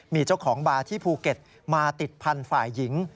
มีเจ้าของบาร์ที่ภูเก็ตมาติดพันธุ์ฝ่ายหญิง